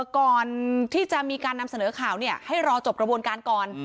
ก่อนที่จะมีการนำเสนอข่าวให้รอจบกระบวนการก่อน